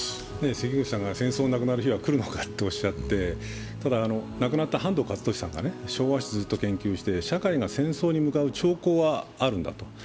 関口さんが戦争がなくなる日が来るのかといいましたがただ、亡くなった半藤一利さんが昭和史をずっと研究していて社会が戦争に向かう傾向はあるんだと。